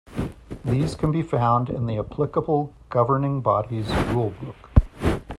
These can be found in the applicable governing body's rule book.